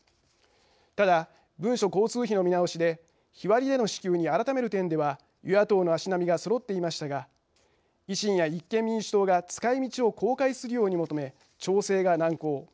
ただ文書交通費の見直しで日割りでの支給に改める点では与野党の足並みがそろっていましたが維新や立憲民主党が使いみちを公開するように求め調整が難航。